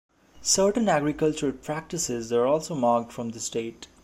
Certain agricultural practices are also marked from this date.